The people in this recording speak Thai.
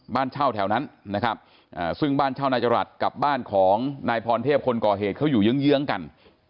บ้านเช่าแถวนั้นนะครับซึ่งบ้านเช่านายจรัสกับบ้านของนายพรเทพคนก่อเหตุเขาอยู่เยื้องกัน